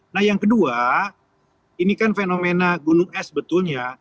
nah yang kedua ini kan fenomena gunung es betulnya